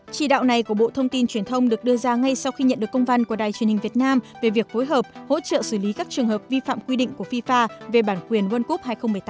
chỉ đạo này của bộ thông tin truyền thông được đưa ra ngay sau khi nhận được công văn của đài truyền hình việt nam về việc phối hợp hỗ trợ xử lý các trường hợp vi phạm quy định của fifa về bản quyền world cup hai nghìn một mươi tám